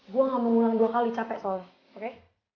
gua ga mau ngulang dua kali capek soalnya oke